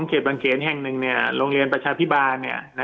ของเขตบังเกณฑ์แห่งหนึ่งเนี่ยโรงเรียนประชาพิบาลเนี่ย